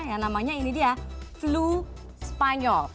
yang namanya ini dia flu spanyol